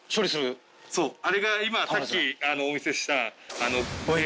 あれが今さっきお見せした。